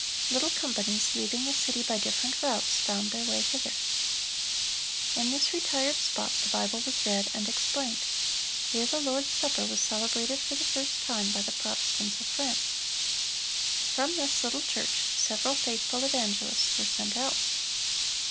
Little companies, leaving the city by different routes, found their way hither. In this retired spot the Bible was read and explained. Here the Lord's supper was celebrated for the first time by the Protestants of France. From this little church several faithful evangelists were sent out.